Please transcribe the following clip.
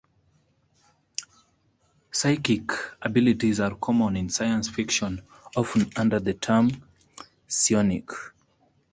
Psychic abilities are common in science fiction, often under the term "psionic".